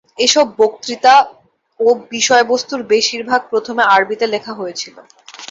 এসব বক্তৃতা ও বিষয়বস্তুর বেশিরভাগ প্রথমে আরবিতে লেখা হয়েছিল।